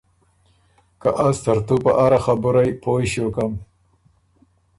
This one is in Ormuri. که از ترتُو په اره خبُرئ پویٛݭیوکم۔